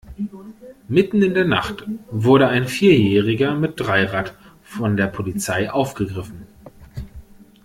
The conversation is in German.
Mitten in der Nacht wurde ein Vierjähriger mit Dreirad von der Polizei aufgegriffen.